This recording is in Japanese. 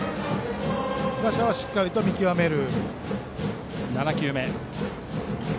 打者はしっかり見極める。